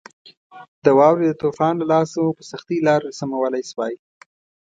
د واورې د طوفان له لاسه مو په سختۍ لار سمولای شوای.